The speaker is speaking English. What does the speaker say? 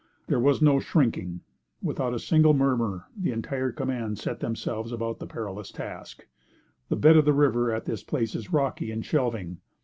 There was no shrinking. Without a single murmur, the entire command set themselves about the perilous task. The bed of the river at this place is rocky and shelving.